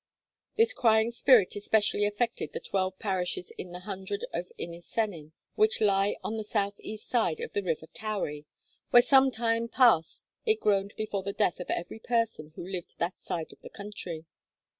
This crying spirit especially affected the twelve parishes in the hundred of Inis Cenin, which lie on the south east side of the river Towy, 'where some time past it groaned before the death of every person who lived that side of the country.'